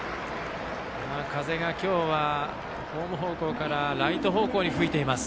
風が今日はホーム方向からライト方向に吹いています。